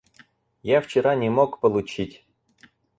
Я вчера не мог получить.